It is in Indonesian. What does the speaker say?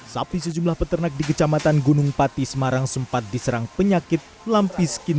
sapi sejumlah peternak di kecamatan gunung pati semarang sempat diserang penyakit lampiskin